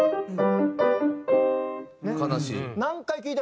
悲しい。